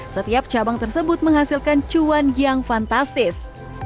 setiap cabang tersebut menghasilkan cuan yang fantastis